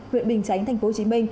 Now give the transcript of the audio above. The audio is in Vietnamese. huyện bình chánh tp hcm